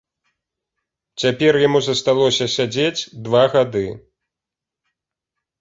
Цяпер яму засталося сядзець два гады.